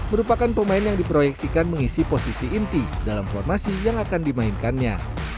merupakan pemain yang diproyeksikan mengisi posisi inti dalam formasi yang akan dimainkannya